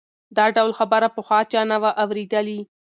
دا ډول خبره پخوا چا نه وه اورېدلې.